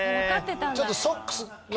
ちょっとソックスのね